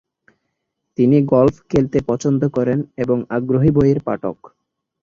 তিনি গল্ফ খেলতে পছন্দ করেন এবং আগ্রহী বইয়ের পাঠক।